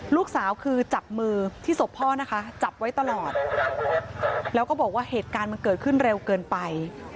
ลูกสาวคือจับมือที่ศพพ่อนะคะจับไว้ตลอดแล้วก็บอกว่าเหตุการณ์มันเกิดขึ้นเร็วเกินไป